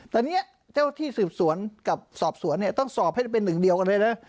แต่เนี่ยเจ้าที่สืบสวนกับสอบสวนเนี่ยต้องสอบให้เป็นหนึ่งเดียวกันเลยนะ